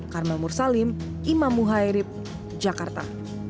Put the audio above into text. karmel mursalim imam muhairib jakarta